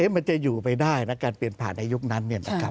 มันจะอยู่ไปได้และการเปลี่ยนผ่านในยุคนั้น